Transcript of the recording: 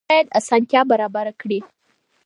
دولت باید اسانتیا برابره کړي.